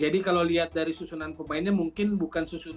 jadi kalau lihat dari susunan pemainnya mereka sudah menekaskan akan rotasi pemain